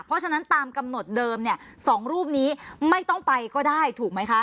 เพราะฉะนั้นตามกำหนดเดิมเนี่ย๒รูปนี้ไม่ต้องไปก็ได้ถูกไหมคะ